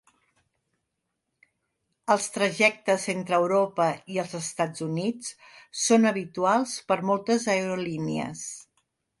Els trajectes entre Europa i els Estats Units són habituals per moltes aerolínies